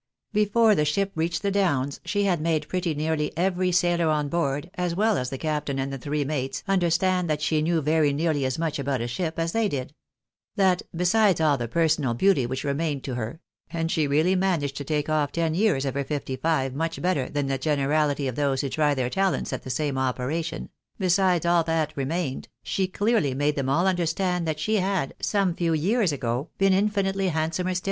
Before the ship reached the Downs, she had made pretty nearly every sailor on board, as well as the captain and the three mates, under stand that she knew very nearly as much about a ship as they did ; that — besides all the personal beauty which remained to her (and she really managed to take off ten years of her fifty five much better than the generality of those who try their talents at the same operation), besides all that remained — she clearly made them aU understand that she had, some few years ago, been infinitely handsomer stiU.